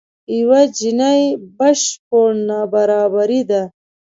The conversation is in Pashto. یو جیني بشپړ نابرابري ده.